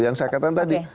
yang saya katakan tadi